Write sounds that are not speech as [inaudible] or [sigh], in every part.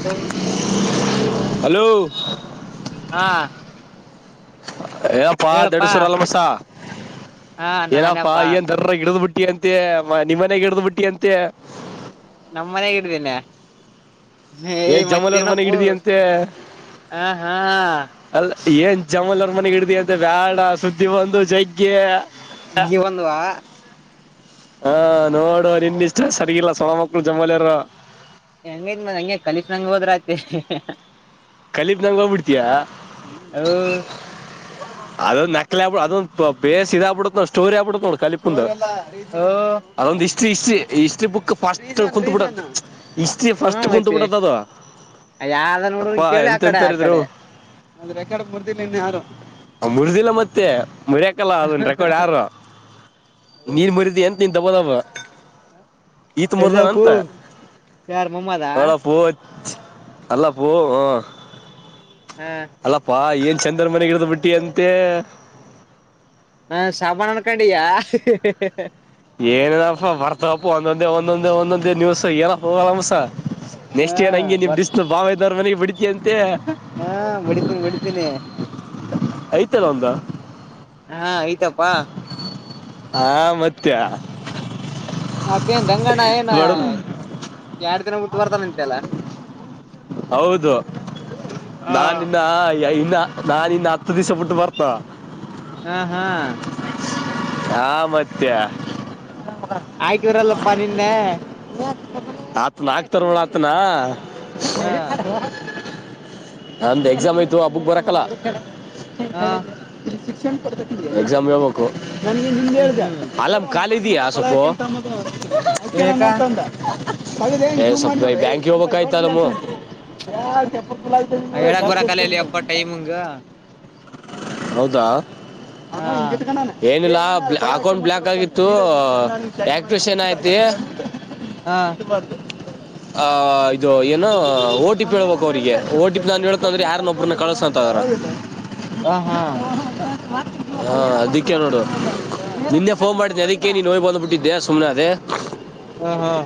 ಹ್ಮ ಹಲೋ ಹಾ ಏಪ್ಪಾ ಹೇಳಪ್ಪಾ ದಡ್ಸುರ ಅಲ್ಲ ಮಸ ಹಾ ಏನಪ್ಪಾ ನಾನಪ್ಪಾ ಏನ್ ದರ್ರ ಗಿಡ್ದ್ ಬಿಟ್ಟಿ ಅಂತೆ ನಿಮ್ಮನೆ ಗಿಡಿದ್ ಬಿಟ್ಟಿ ಅಂತೆ ನಮ್ಮ್ ಮನೆಾಗ ಹಡ್ದೀನೆ ಹಯ ಏನ್ ಜಮಲ್ ಅವ್ರ ಮನೆಗೆ ಮತ್ತೇನಪ್ಪೂ ಹಿಡಿದಿ ಅಂತೆ ಹ ಹಾ ಅಲ್ಲ ಏನ್ ಜಮಲ್ರ್ ಮನೆಗ್ ಹಿಡ್ದಿ ಅಂತ ಬ್ಯಾಡ ಸುದ್ದಿ ಬಂದು ಜೈಗ್ಗೆ ಬಂದು್ವಾ ಹಾ ನೋಡು ನಿನ್ ಇಷ್ಟ ಸರಿಗಿಲ್ಲ ಸೊಣ ಮಕ್ಳು ಜಮಾಲಾರ ಹೆಂಗೈ್ ಮ್ ಹಂಂಗಗೆ ಕಲಿಸ ನಂಗಗೆ ಹೋದ್ರ ಆಯತಿ ಕಲೀಪ್ ನಂಗ ಹೋಗ್ಬಿಡ್ತಿಯಾ ಹೌ ಅದ ನಕ್ಕಲ ಅಂದು ಪೇಸ್ ಇ ಇದ ಪಡತ ಸ್ಟೋರಿಬಡತೋ ಕಲಿಿಪ್ ಓ ಅದೊಂದು ಹಿಸ್ಟ್ರಿ ಹಿಸ್ಟ್ರಿ ಈ ಹಿಸ್ಟ್ರಿ ಬುಕ್ ಫಾಸ್ಟ್ ಕುೂತ್ಬಿಡ ಇಷ್ಟೀ ಹ್ಮ ಫಸ್ಟ್ ಕುತ್ ಐತಿ ಬಿಿಟ್ಟದ ಅದ ಯಾವ್ದ ನೋಡ್ರ ಅಪ್ಪಾ ಕೇಳಿ ಆ ಕಡೆ ಆ ಎಂತಂತಾರಿದ್ರು ಕಡೆ ಮುರಿದಿಲ್ಲ ಮತ್ತೆ ಮುರಿಯಕಲ್ಲ ಅದನ್ ರೆಕಾರ್ಡ್ ಯಾರು ನೀರ್ ಮುರಿದಿ ಎಂತ ನೀನ್ ತಬೋದವ ಇತ್ ಮೂರ್ ದನ ಎಲ್ಲಪ್ಪೂ ಅಂತ ಯಾರ್ ಮಮ್ಮದ ಅವಳಪ ನಲ್ಲ ಪೂ ಹ ಹಾ ಅಲ್ಲಪ್ಪಾ ಏನ್ ಚಂದನ ಮನೆಗಿಡ್ದ್ ಬಿಟ್ಟಿ ಅಂತೆ ಹಾ ಸಾಬಣ ಅನ್ಕೊಂಡಿಯ ಏನೇನಪ್ಪ ಬರ್ತಪ್ಪ ಒಂದೊಂದೇ ಒಂದೊಂದೇ ಒಂದೊಂದೇ ನೀವ್ಸ ಏನಪ್ಪ ಆರಾಮಸ ಹಾ ನೆಕ್ಟ್ ಏನ್ ಹಂಗಗೆ ನಿಮ್ ಬರ್ ಸ್ ಬಾವದಾರ ಮನೆಗೆ ಬಿಡಿತ ಅಂತೆ ಹಾ ಬಡಿತೀನಿ ಬಡಿತೀನಿ ಆಯ್ತಲ್ಲ ಒಂದ ಹಾ ಆಯ್ತಪ್ಪಾ ಹಾ ಮತ್ತ ಮತ್ತೇನ್ ದಂಗಣ್ಣ ಏನ ಎರಡ್ ದಿನ ಹುಟ್ಟು ಬರ್ತಾನ ಅಂತೆ ಎಲ್ಲ ಹೌದು ನಾನಿನ್ನ ಹ ಇನ್ನ ನಾನ ಇನ್ನು ಹತ್ತು ದಿವಸೊಟ್ಟು ಬರತ ಹಾ ಹಾ ಹಾ ಮತ್ತೆ ಆಯ್ತುವರಲ್ಲಪ್ಪ ನಿಿಂದೆ ಆತ್ನ ಆಕ್ತರ್ ಮಳ ಆತ್ನ ಹ ನಮ್ದ್ ಎಕ್ಸಾಮ್ ಆಯ್ತು ಆ ಬುಕ್ ಬರಕಲ್ಲ ಹ ಶಿಕ್ಷಣ ಎಕ್ಸಾಮ್ ಹೇಳ್ಬೇಕು ನನಗೆ ಹ್ಮ್ ಹೇಳಿದೆ ಹ್ಮ್ ಅ ಕಖಾಲಿ ಇದಯಾ ಸೊಪ ಏಕ ಬ್ಯಾಂಕ ಹೋಗ್ಬೇಕಯ್ತಲ್ಲಮ್ಮ [unintelligible] ಟೈಮುಂಗ ಹೌದಾ ಹಾ ಏನಿಲ್ಲ ಅಕೌಂಟ್ ಬ್ಲಾಕ್ ಆಗಿತ್ತು ಆಕ್ಟ್ರಿಷ ಏನ್ ಐತಿ ಹಾ ಆ ಇದು ಏನ ಓ ಟಿ ಪಿ ಹೇಳ್ಬೇಕು ಅವ್ರಿಗೆ ಓ ಟಿ ಪಿ ನಾನನ್ ಹೇಳ್ತ ಅಂದ್ರೆ ಯಾರನ್ನ ಒಬ್ಬ್ರನ್ನ ಕಳ್ಸಂತದಾರ ಹ ಹಾ ಹಾ ಅದಿಕ್ಕೆ ನೋಡು ನಿನ್ ಫೋನ್ ಮಾಡಿದ್ದೀನಿ ಅದಕ್ಕೆ ನೀನು ನೋಯ್ ಬಂದು್ಬಿಟ್ಟಿದ್ದೆ ಸುಮ್ಮ್ನೆ ಅದೇ ಹ ಹಾ ಹ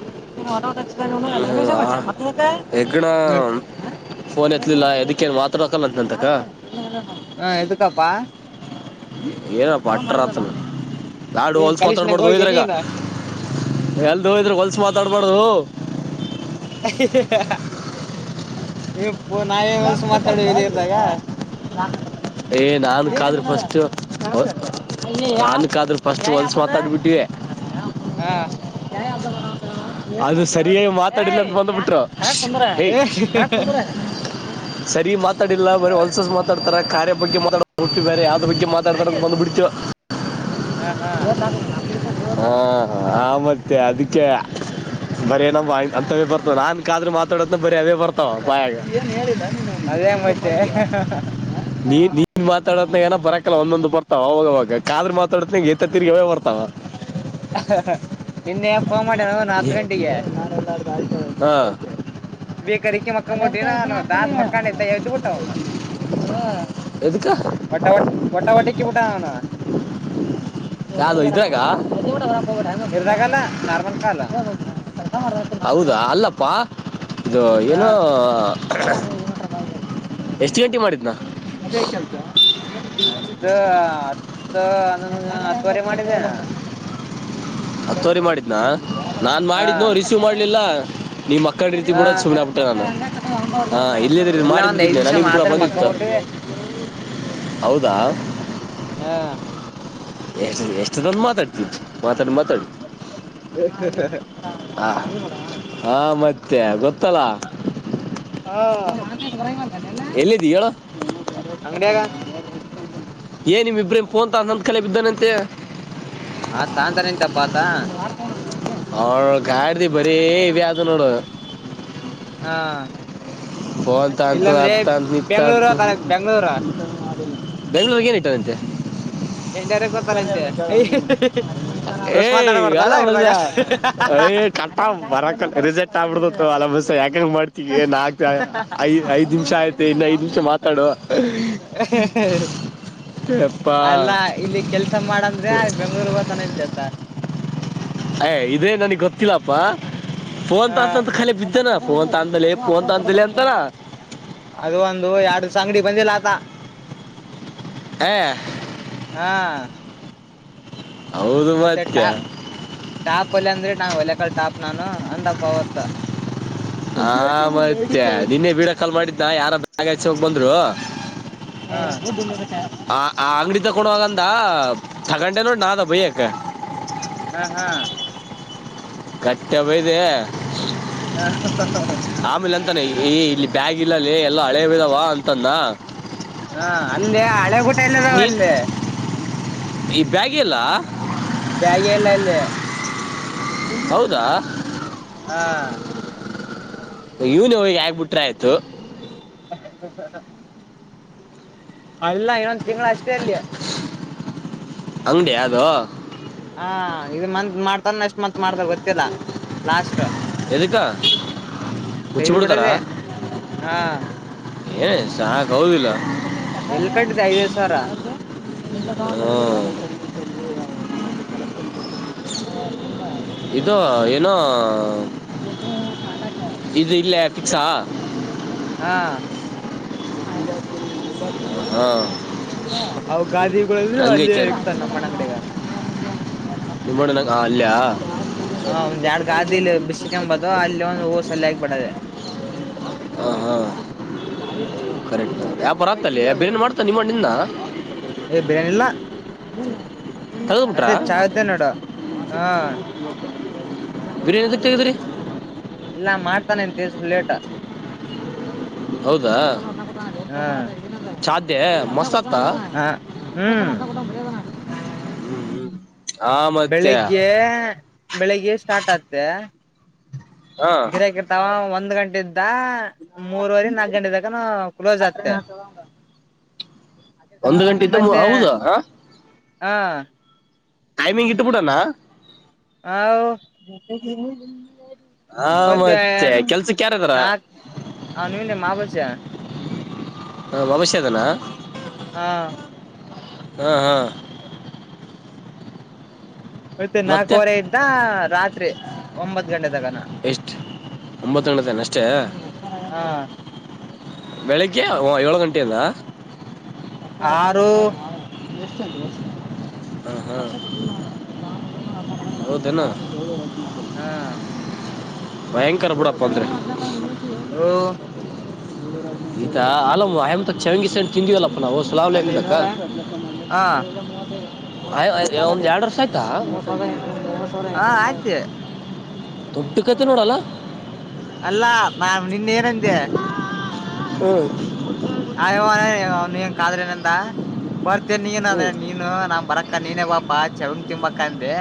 ಎಗಡ [inaudible] ಫೋನ್ ಎತ್ಲಿಲ್ಲ ಎದಕ್ಕೇನು ವಾತ ಹಕಲ್ಲಂತನ ಅಂತಕ ಹ್ಮ ಹ ಹಾ ಹಾ ಎದುಕ್ಕಪ್ಪಾ ಏನಪ್ಪ ಅಟರ್ ಆತ ನಾಡು ಏನ್ ಹಲ್ಸ ಕಲೀಶ್ ನಂಗ ಮಾತಾಡ್ಬಾರ್ದು ಹೋಗಿ ಹೋಯಿದ್ರ ಈಗ ನೀನ್ ಎಲ್ದ ಹೋಯ್ರೆ ಹೊಲ್ಸ ಮಾತಾಡ್ಬಾರ್ದ ಇಪ್ಪು ನಾವೇನ್ ಕೆಲ್ಸ ಮಾತಾಡ ಇಲ್ಲಿ ಇರ್ದಾಗ ವಾ ಏ ನಾಕ ಆದ್ರೂ ಫಸ್ಟ್ ನನ್ಕ ಆದ್ರೂ ಫಸ್ಟ್ ಒಲ್ಸ ಮಾತಾಡ್ಬಿಟ್ಟೆ ಅದ ಹಾ ಅದು ಸರಿಯಾಗಿ ಮಾತಾಡಿಲಕ್ಕೆ ಬಂದ್ಬಿಟ್ರು ಹಾ ತುಂದ್ರ ಹಾ ಕುು್ರ ಸರಿ ಮಾತಾಡಿಲ್ಲ ಬರ ಹೊಲ್ಸಸ ಮಾತಾಡ್ತಾರೆ ಕಾರ್ಯ ಬಗ್ಗೆ ಮಾತಾಡವಿ ಬೇ ಯಾವದ ಬಗ್ಗೆ ಮಾತಾಡ್ತಾಡಕ್ ಬಂದ್ ಬಿಡ್ತೀವ ಹ ಹಾ ಹಾ ಆ ಮತ್ತೆ ಅದಕ್ಕೆ [inaudible] ಬರೇ ನಮ್ ಅಂತವೇ ಬರ್ತಾವ ನಾನ್ ಕಾದ್ರೂ ಮಾತಾಡದ ಬರೀ ಅ ಬರ್ತಾವ ಬಾಯಾಗ ನೀನು ಅವ್ನಿಗೆ? ನದೇ ತಿಳ್ಕೊಂಡ್ ಮತ್ತೆ ಇನ್ ಮಾತಾಡದತ್ನಾಗ ಏ ಬರಕಲ್ಲ ಒಂದೊಂದು ಬರ್ತಾವ ಹೋಗವಾಗ ಕಾದ್ರ ಮಾತಾಡತನಾಗ ಎತ್ತ ತಿರ್ಗವೇ ಬರ್ತಾವ ಹ ನಿನ್ನೆ ಅಪ್ಪ ಮಾಡ್ಯ ಒ ನ ಹತ್ ಗಂಟೆಗೆ ಹಾ ಬೀ ಕರಿಕಿ ಗಂಡ ಬಿಟ್ಟ ಮಕ್ಕೊಂಡಂಬಟ್ಟಿನ ಇದನ್ನ ನಾ ಹಾಕ್ತೀನಿ ದಾತ್ ಮಕ್ಕಂಡ ಎಂತ ಎದ್ದ್ ಬಿಟ್ಟ ಅವನು ಎದಕ್ಕ ಒಟಾವ ವಟಾವಟಿಕ್ಕೆ ಬಟಣ ಯಾದು ಇದಾಗ ಎರ್ದಾಗಾಲ ನಾರ್ಮಲ್ ಕಾಲ ಹೌದಾ ಅಲ್ಲಪ್ಪಾ ಇದು ಹ ಏನೋ ಎಷ್ಟು ಗಂಟೆ ಮಾಡಿದನಾ ಎಷ್ಟು ಹತ್ತು ಅನ್ನೊಂದು ಹತ್ತುವರೆ ಮಾಡಿದ್ದೇನೆ ಹತ್ತುವರಿ ಮಾಡಿದ್ನಾ ನಾನ್ ಹಾ ಮಾಡಿದ್ನು ರಿಸೀವ್ ಮಾಡ್ಲಿಲ್ಲ ನೀ ಮಕ್ಕ ಅ ಕಡೆ ರೀತಿ ಹಾ ಬಿೂಡ ಸುಮ್ಮನೆಬ ಬಿಟ್ಟೆ ನಾನು ಹ ಇಲ್ಲದ್ರ ಎಲ್ಲ ಮಾಡಿಬ ಒಂದ್ ಐದ್ ಬಿಡ್ತಿದಿದ್ದನೆ ನಿಮಿಷ ನನಗೂ ಕೂಡ ಮಾತ್ರ ಬಂದಿತ್ತು ಮಕ್ಕಂಬಿಟ್ಟಿವಿ ಹೌದಾ ಹಾ ಎಷ್ಟ ಎಷ್ಟು ಜ ಮಾತಾಡ್ತೀವಿಿ ಮಾತಾಡಿ ಮಾತಾಡ್ ಹ ಹ ಹ ಹಾ ಮತ್ತೆ ಗೊತ್ತಲ್ಲ ಹ ಎಲ್ಲಿದ್ದ ಹೇಳ ಅಂಗಡಿಯಾಗ ಏನ್ ನಿಮ್ ಇಬ್ರೇಮ ಫೋನ್ಂತ ಅಂದಂದ ಕಲೆ ಬಿದ್ದಾನಂತೆ ಹಾ ತಾನ್ಂತಾನೆಂತಪ್ಪಾತ ಹಳ ಗಾಯ್ದ ಬರಿೀ ಅದು ನೋಡುವ ಹಾ ಬತಂತು ಇಲ್ಲಾಂದ್ರೆ ಆಗ್ತ ನಿತ ಬೆಂಗ್ಳೂರು ಹೋತಾನಂತೆ ಬೆಂಗ್ಳೂರು ಬೆಂಗಳೂರ್ ಏನ ಇಟ್ಟದಂತೆ ಸೆಂಟರ್ ಗೊತಾನಂತೆ ಏ ಹೊಸ್ ಯಾರ ಮಾತಾಡಬಾರ್ದಲ್ಲ ಮ ಇರ್ದಾಗ ಆ್ರಕ ರಿಸೆಕ್ಟ್ ಆಗ್ಬಿಡ್ತತ್ತು ಅಲ ಮ ಯಾಕಂಗ ಮಾಡ್ತವಿ ಏನ್ ಆತ ಐದ್ ನಿಮಿಷ ಆಯ್ತೆ ಇನ್ನ ಐದ್ ನಿಮಿಷ ಮಾತಾಡುವ ಹ ಯಪ್ಪ ಅಲ್ಲ ಇಲ್ಲಿ ಕೆಲ್ಸ ಮಾಡಂದ್ರೆ ಬೆಂಗ್ಳೂರ್ ಹತಾನೆ ನಿಂತೆತ ಯ್ ಇದೇ ನನಗ್ ಗೊತ್ತಿಲ್ಲಪ್ಪ ಫೋನ್ ಹ ತಾಸ ಅಂತ ಖಾಲಿ ಬಿದ್ದೇನಪ್ಪ ಫೋನ್ ತಂದದಲ್ಲಿ ಫೋನ್ ತಂತಲಿ ಅಂತಾನ ಅದು ಒಂದು ಎರಡು ಅಂಗಡಿ ಬಂದಿಲ್ಲ ಆತ ಹಾ ಹಾ ಮತ್ತೆ ಟಾ ಟಾಪ್ ಅಲ್ಲಿ ಅಂದ್ರೆ ನಾ ಒಲೆಕಲ್ ಟಾಪ್ ನಾನು ಅಂದಪ್ಪ ಅವತ್ ಹ ಮತ್ತೆ ನಿನ್ನೆ ಬೀಡ ಕಾಲ್ ಮಾಡಿದ್ದನ ಯಾರಾಗಚ ಹೋಗ ಬಂದ್ರು ಹ ಹ ಆ ಅಂಗಡಿ ತಗೊಂಡೋಗಂದ ತಗೊಂಡೆ ನೋಡಿ ನಾದ ಬಯಕ್ ಹಾ ಹಾ ಕಟ್ಟೆ ಬದೆ ಹಾ ಆಮೇಲೆ ಅಂತಾನ ಈ ಇಲ್ಲಿ ಬ್ಯಾಗ್ ಇಲ್ಲಲ್ಲಿ ಎಲ್ಲಾ ಹಳೆವಿದಾವ ಅಂತಾನ ಹ ಅಂದೆ ಹಳೆ ಬಟ ಇಲ್ಲದ ನೀ ಒಂದೆ ಈ ಬ್ಯಾಗಿ ಎಲ್ಲ ಬ್ಯಾಗ ಎಲ್ಲ ಅಂದೆ ಹೌದಾ ಹಾ ಇವನ್ ಹೋಗಿ ಆಗ್ಬ ಬಿಟ್ರ ಆಯ್ತು ಹ ಹ ಹ ಅಲ್ಲ ಇನ್ನೊಂದ್ ತಿಂಗಳ ಅಷ್ಟೇ ಅಲ್ಲಿ ಅಂಗ್ಡಿ ಅದು ಹಾ ಇದು ಮಂತ್ ಮಾಡ್ತಾರ ಎಷ್ಟ್ ಮತ್ ಮಾಡತಾರ ಗೊತ್ತಿಲ್ಲ ಲಾಸ್ಟ್ ಎಧಕ್ಕ ಮುಚ್ಚಿ ತೆಗ್ದ್ ಬಿಡ್ತಾರಾ ಬಿಡದೆ ಹಾ ಏನ್ ಸಾಕ್ ಹೌದಿಲ್ಲ ಎಲ್ ಕಟ್ಟಿದೆೆ ಐದೈದು ಸಾವಿರ ಹ ಇದೋ ಏನೋ ಇದು ಇಲ್ಲ ಫಿಕ್ಸಾ ಹಾ ಹಾಂ ಅವ ಗಾದಿಗಳದ್ರರು ಅಲ್ಲಿ ಇಕ್ತಾನ ನಮ್ಮ ಅಂಗಡಿಗ ನಿಮ್ಮಡನ ಹಾ ಅಲ್ಲಿಯ ಹ ಒಂದ್ ಎರಡ್ ಗಾದಿ ಇಲ್ಲಿ ಬಿಸ್ಕ್ ಎಂಬುದು ಅಲ್ಲಿ ಒಂದು ಹೂಸಲ್ಲಿ ಆಗಿಬಿಡದೆ ಹಾ ಹಾ ಹ್ಮ್ ಕಕ್ ಪರಾತಲ್ಲಿ ಅ ಬ ಏನ್ ಮಾಡ್ತಾ ನಿಮ್ಮ ನಿದ ಏ ಬಿರಿಯಾನಿಲ್ಲಾ ಹ್ಮ್ ಅದೇ ಚಾ್ದೇ ನೋಡುವ ಹಾ ಹ ಬಿರಿಯಾನಿ ತೆಗೆ್ದ್ರರಿ ಇಲ್ಲ ಮಾಡ್ತಾನೆಂತ ತಿಸ ಲೇಟ್ ಹೌದಾ ಹ್ಮ್ ಚಛಾಧ್ಯ ಮಸ್ತ್ ಆತ್ತ ಹ ಹ್ಮ್ ಬೆಳಿಗ್ಗೆ ಬೆಳಿಗ್ಗೆ ಸ್ಟಾರ್ಟ್ ಆತ್ತ ಹಾ ಗಿರಕ ತವಾ ಒಂದ್ ಗಂಟೆ ಇದ್ದ ಮೂರ್ವರಿ ನಾಲ್ಕಕ್ ಗಂಟೆ ತಕನ ಕ್ಲೋಸ್ ಆಗ್ತ್ತೆ ಒಂದು ಗಂಟೆಿಂದ ಹೌದಾ ಹಾ ಟಮಿಂಗ್ ಇಬಡಣ್ಣ ಹೌ ಹ ಮತ್ತೆ ಕೆಲ್ಸಕ್ ಯಾರದಾರ ಹಾ ನೀವನ್ನೇ ಮಾಬಷ ಹಂ ಮಮಷೇದನಾ ಹಾ ಹ್ಮ ಹಾ ಯತ್ತೆ ಮತ್ತೆ ನಾಲ್ಕವರೆ ಇಿಂದ ರಾತ್ರಿ ಒಂಬತ್ ಗಂಟೆ ತಗನ ಎಷ್ಟು ಒಂಬತ್ತು ತೇನೆ ಅಷ್ಟೇ ಹ ಬೆಳಿಗ್ಗೆ ಏಳು ಗಂಟೆಯಿಂದ ಆರು ಹಾ ಹಾ ಹೌದನಾ ಹಾ ಭ ಭಯಂಕರ ಬಿಡಪ್ಪ ಅಂದ್ರೆ ಹ್ಮ ಈತಾ ಅಲ್ಲ ಅಯಮ ಚವಂಗ ಸಂಡ್ ತಿಂದಿವವಲ್ಲಪ್ಪ ನಾವು ಸಲಾವ್ಲಕ್ಬೇಕ ಆಯ ಒಂದು ಎರಡು ವರ್ಷ ಆಯ್ತಾ ಹ ಆಯ್ತು ದೊಟ್ಟ ಕತೆ ನೋಡಲ್ಲ ಅಲ್ಲಾ ನಾ ನಿನ್ನ ಏನಂದೆ ಹ್ಮ್ ಆಯ್ಯವ ನೀ ಕಾದ್ರೆ ನಂದ ಬರ್ತೇ ನೀನು ಹ್ಞೂ ಅಂದ್ರೆ ನೀನು ನಾ ಬರಕ್ಕ ನೀನೇ ಬಾಪ ಪ್ಪಾ ಚವಂಗ್ ತಿಂಬಕಂದೆ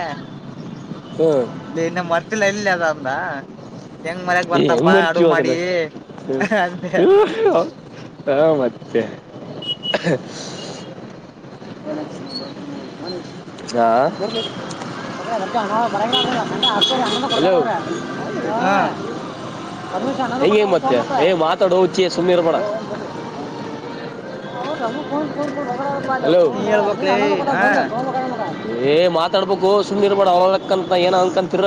ಹ್ಮ್ ಇ ಇನ್ನ ಮರ್ತಿಲ ಇಲ್ಲಿ ಅದ ಅಂದ ಹೆಂಗ್ ಮರಯಾಗ ಏ ಹೆಂಗೆ ಬರ್ತಪಾ ಅಡು ಮರಿತೀವ ಮಾಡಿ ಅ [unintelligible] ಹಾ ಮತ್ತೆ ಆಾ ಅ ಆ ಹಾ ಹಂಗೇ ಮತ್ತೆ ಏ್ ಮಾತಾಡ ಹ ಚಿ ಸುೀರ್ ಬಡ ಹಲೋ ನೀ ಹೇಳ್ಬಕ್ಲೇ ಹ ಏ ಮಾತಾಡ್ಬೇಕು ಸುಮ್ ಇರ್ಬೇ ಅವಲಕ್ಕಂತ ಏನ ಅಕಂತರ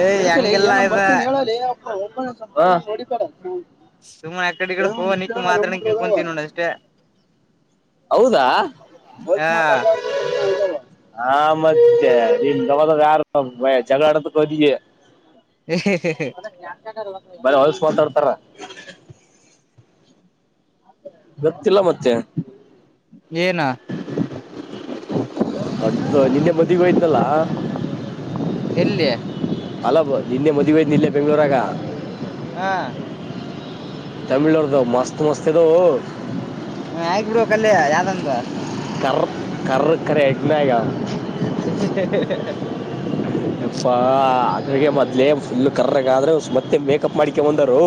ಏಯ್ ಯದಕ ಹಂಗೆಲ್ಲಾ ಏನ ಇದ ಬರ್ತೇನಿ ಹೇಳಲಿ [unintelligible] ಸುಮ್ಮನೆ ಅಕಡೆ ಈ ಏನೋ ಕಡೆ ನಿಂತ್ ಹೇಳ ನಿಕ್ಕು ನಮ್ಮ ಮಾತ್ರ ಹುಡ್ಗ್ರು ಅದಾವ ಕುಂತಿನಿ ನೋಡು ಅಷ್ಟೇ ಹೌದಾ ಹ ಆ ಮತ್ತೆ ಇವದ ಯಾರ ಜಗಳ ಆಡೋದಕ್ಕೆ ಹೊಗಿದೆ ಹೇ ಹೇ ಹೇ ಬರ ಹೊಲ್ಸ ಮಾತಾಡ್ತಾರ ಗೊತ್ತಿಲ್ಲ ಮತ್ತೆ ಏನಾ ಅ ನಿನ್ನೆ ಮದ್ವೆ ಹೋಗಿದ್ನಲ್ಲ ಎಲ್ಲಿ ಅಲ್ಲ ನಿನ್ನೆ ಮದ್ವೆ ಇತ್ತು ಇಲ್ಲೆ ಬೆಂಗಳೂರಾಗ ಹಾ ತಮಿಳ್ ಅವರ್ದು ಮಸ್ತ್ ಮಸ್ತ್ ಇದಾವು ಹ ಆಗ್ ಬಿಡುವ ಕಲ್ಲಿ ಯಾವ್ದಂದು ಕರ ಕರ್ರ ಕರೆ ಎಡ್ಮ್ಯಾಗ ಹೇ ಹೇ ಹೇ ಇಪ್ಪಾ ಅದಿಗೆ ಮೊದ್ಲೇ ಫುಲ್ ಕರ್ರಗ ಆದ್ರೆ ಮತ್ತೆ ಮೇಕಪ್ ಮಾಡ್ಕೊಂಬಂದರು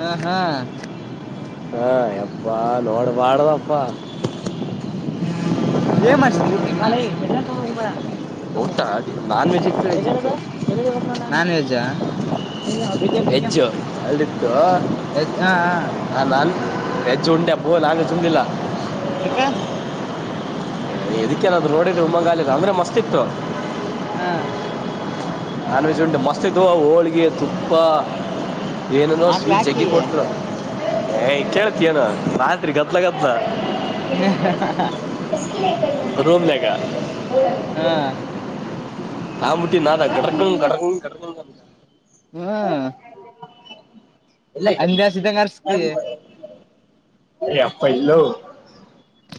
ಹಾ ಹಾ ಹಾ ಎಪ್ಪಾ ನೋಡ್ಬಾಡ್ದಪ್ಪ ಏನ್ ಮಾಡಿಸಿದ್ [unintelligible] ನನ್ ವೇಜ್ಜಾ ವೇಜ್ಜು ಅಲ್ಲಿತ್ತು ವೇಜ್ಜ ಹಾಂ ಹಾ ಹ ನಾನ್ ಹೆಚ್ಚು ಉಂಡೆಬೋ ನಂಗ ಚುಂದಿಲ್ಲ [inaudible] [inaudible] ಹಾಂ ನಾನ್ ವೆಜ್ ಉಂಟು ಮಸ್ತ್ ಇತ್ತು ಹೋಳ್ಗೆ ತುಪ್ಪ ಏನೇನೋ ಆಗ್ಲ ಸ್ವೀಟ್ ಹಾಕಿ ಜಗ್ಕ್ಕಿ ಕೊಟ್ರು ಹ ಕೇಳ್ತಿ ಏನು ರಾತ್ರಿ ಗತ್ತಲ ಗತ್ತಲ ಹಾ ಹಾ ರೋಮ್ಲೆಗ ಹಾ ನಾಂಬಟ್ಟಿ ನಾದ [unintelligible] ಹ್ಮ ಎಲ್ಲ ಇದಂಗ ಅರ್ಸ್ತಿ ಅಪ್ಪ ಇಲ್ಲೊ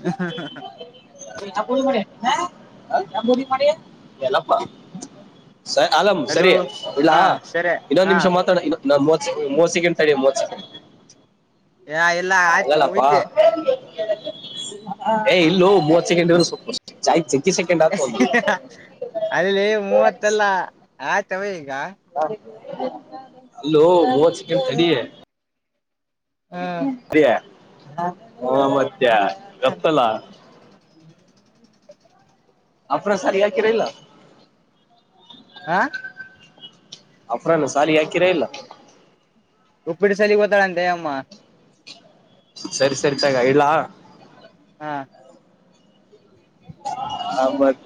ಹಾ ಹಾ ಹಾ [unintelligible] ಯಲ್ಲಪ್ಪ ಅಲಮ್ ಹಲೋ ಸರಿ ಇಡ್ಲ ಹಾ ಸರಿ ಇನ್ನೊಂದು ಹಾ ನಿಮಿಷ ಮಾತಾಡು ಇನ್ನೊಂದು ಇನ್ನ ಮುವತ್ತು ಸೆಕೆಂಡ್ ತಡಿ ಮೂವತ್ ಸೆಕೆಂಡ್ ಯ ಎಲ್ಲಾ ಆಯ್ತು ಹಂಗಲ್ಲಪ್ಪ [unintelligible] ಏ ಇಲ್ಲೂ ಮೂವತ್ ಸೆಕೆಂಡ್ ಇರು ಸ್ವಲ್ಪ ಚ ಅಲ್ಲಿಲ್ಲಿ ಮೂವತ್ತಲ್ಲ ಆಯ್ತಾವ ಈಗ ಅಲೋ ವ ಚಿಕನ್ ಡಿ ಹ ಹ್ಮ ಅರಿಯ ಹ ಮತ್ತೆ ಗಪ್ಪಲ್ಲಾ ಅರ ಸರಿಯಕಿರಲ್ಲ ಆಾ ಅಫ್ರಾನ ಸಾಲ ಯಾಕಿರಾ ಇಲ್ಲ ಉಪ್ಪಿಟ್ಟ ಸಲಿ ಹೋಗತ್ತಾಳಂತೆ ಅಮ್ಮ ಸರಿ ಸರಿ ತಗ ಇಲ್ಲಾ ಹಾ ಹ ಮತ್ತ